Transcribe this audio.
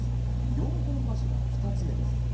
４本柱、２つ目です。